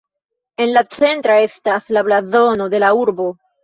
En la centra estas la blazono de la urbo.